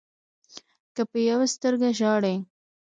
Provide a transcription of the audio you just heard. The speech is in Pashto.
که په يوه سترګه ژاړې